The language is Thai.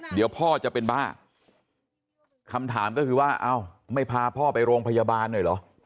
เดี๋ยวพ่อจะเป็นบ้าคำถามก็คือว่าเอ้าไม่พาพ่อไปโรงพยาบาลหน่อยเหรอ